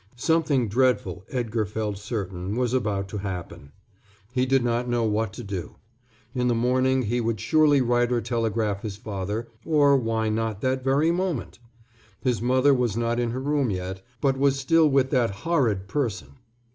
Something dreadful, Edgar felt certain, was about to happen. He did not know what to do. In the morning he would surely write or telegraph his father or why not that very moment? His mother was not in her room yet, but was still with that horrid person.